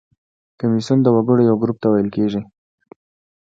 کمیسیون د وګړو یو ګروپ ته ویل کیږي.